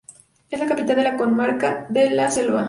Es capital de la comarca de La Selva.